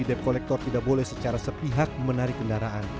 dep kolektor tidak boleh secara sepihak menarik kendaraan